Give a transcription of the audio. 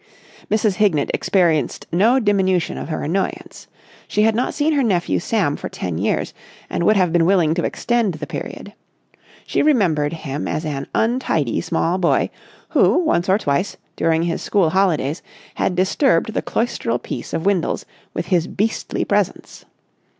Mrs. Hignett experienced no diminution of her annoyance. She had not seen her nephew Sam for ten years, and would have been willing to extend the period. She remembered him as an untidy small boy who once or twice, during his school holidays, had disturbed the cloistral peace of Windles with his beastly presence.